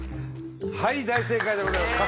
はい大正解でございます